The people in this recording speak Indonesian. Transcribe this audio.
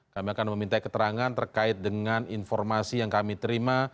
kami akan meminta keterangan terkait dengan informasi yang kami terima